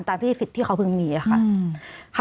ตามที่สิทธิ์ที่เขาเพิ่งมีค่ะ